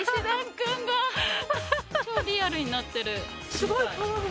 すごい。